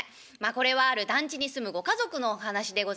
これはある団地に住むご家族のお噺でございますが。